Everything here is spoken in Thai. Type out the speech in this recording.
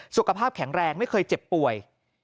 สุขภาพแข็งแรงไม่เคยเจ็บป่วย